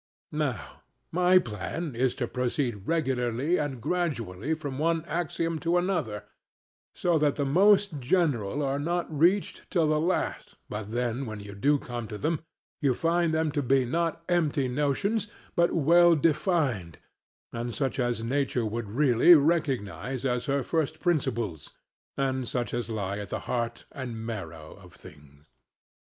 Now my plan is to proceed regularly and gradually from one axiom to another, so that the most general are not reached till the last but then when you do come to them you find them to be not empty notions, but well defined, and such as nature would really recognise as her first principles, and such as lie at the heart and marrow of things.